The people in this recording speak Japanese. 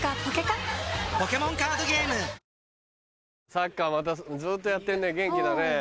サッカーまたずっとやってるね元気だね。